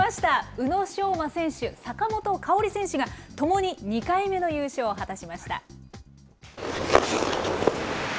宇野昌磨選手、坂本花織選手が、ともに２回目の優勝を果たしました。